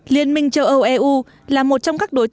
liên minh châu âu eu là một trong các đồng chí